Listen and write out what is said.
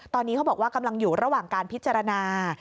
ตอนนี้เขาบอกว่ากำลังอยู่ระหว่างการพิจารณา